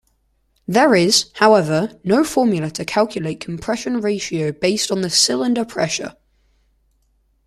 There is, however, no formula to calculate compression ratio based on cylinder pressure.